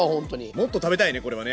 もっと食べたいねこれはね。